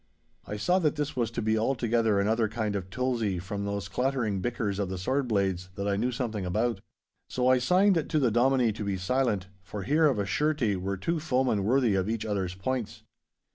I saw that this was to be altogether another kind of tulzie from those clattering bickers of the sword blades, that I knew something about. So I signed to the Dominie to be silent, for here of a surety were two foemen worthy of each other's points.